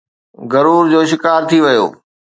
غرور جو شڪار ٿي ويو آهي